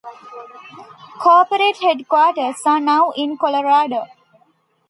Corporate headquarters are now in Colorado.